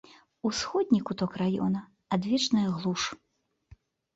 Усходні куток раёна, адвечная глуш.